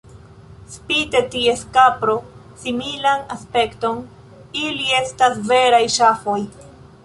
Spite ties kapro-similan aspekton, ili estas veraj ŝafoj.